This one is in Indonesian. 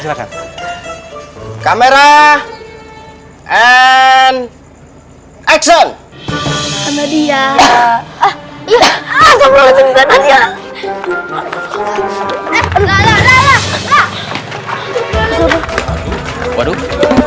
silakan kamera and action sama dia ah iya ah